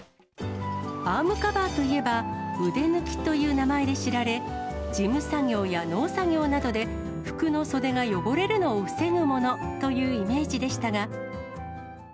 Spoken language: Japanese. アームカバーといえば、腕貫という名前で知られ、事務作業や農作業などで、服の袖が汚れるのを防ぐものというイメージでしたが。